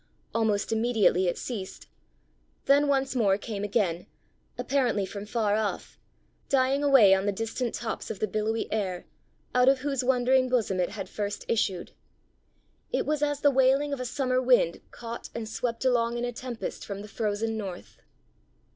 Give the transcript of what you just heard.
Almost immediately it ceased then once more came again, apparently from far off, dying away on the distant tops of the billowy air, out of whose wandering bosom it had first issued. It was as the wailing of a summer wind caught and swept along in a tempest from the frozen north.